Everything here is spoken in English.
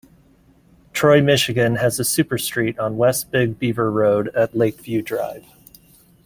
Troy, Michigan has a superstreet on West Big Beaver Road at Lakeview Drive.